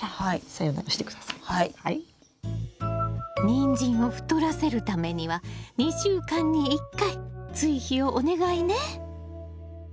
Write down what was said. ニンジンを太らせるためには２週間に１回追肥をお願いね！